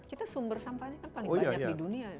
kita sumber sampahnya kan paling banyak di dunia